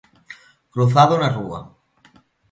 Cruzado na rúa.